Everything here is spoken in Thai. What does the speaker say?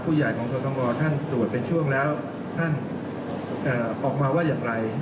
ผู้ใหญ่ของสตมท่านตรวจเป็นช่วงแล้วท่านออกมาว่าอย่างไร